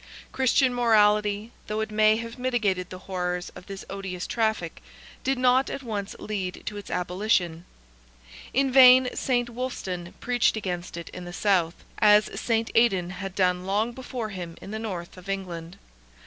Christian morality, though it may have mitigated the horrors of this odious traffic, did not at once lead to its abolition. In vain Saint Wulfstan preached against it in the South, as Saint Aidan had done long before him in the North of England.